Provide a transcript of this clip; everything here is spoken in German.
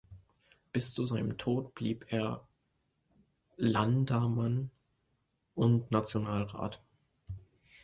Bis zu seinem Tod blieb er Landammann und Nationalrat.